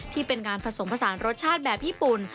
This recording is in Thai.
ที่เป็นงานผสมผสานรสชาติแบบญี่ปุ่น